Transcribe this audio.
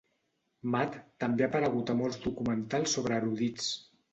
Matt també ha aparegut a molts documentals sobre erudits.